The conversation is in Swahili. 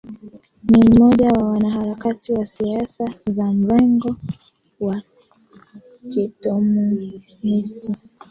Ni mmoja wa wanaharakati wa siasa za mrengo wa Kikomunisti